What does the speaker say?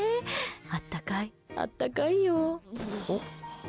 あったかいあったかいよ。